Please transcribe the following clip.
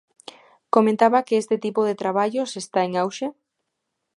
Comentaba que este tipo de traballos está en auxe?